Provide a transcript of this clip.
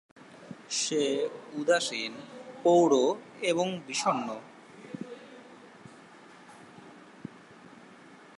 সে উদাসীন, পৌঢ় এবং বিষণ্ণ।